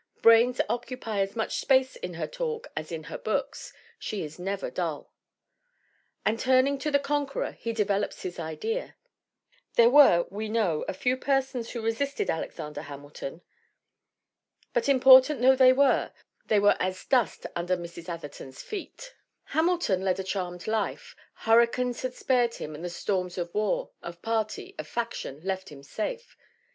Brains occupy as much space in her talk as in her books. She is never dull." And turning to The Conqueror, he develops his idea: "There were, we know, a few persons who resisted Alexander Hamilton. But important though they were, they were as dust under Mrs. Atherton's feet. Hamilton led a charmed life. Hurricanes had spared him and the storms of war, of party, of faction left him safe.